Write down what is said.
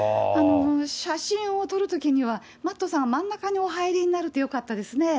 写真を撮るときには、Ｍａｔｔさんが真ん中にお入りになるとよかったですね。